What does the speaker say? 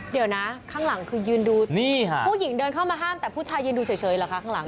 เดี๋ยวนะข้างหลังคือยืนดูนี่ค่ะผู้หญิงเดินเข้ามาห้ามแต่ผู้ชายยืนดูเฉยเหรอคะข้างหลัง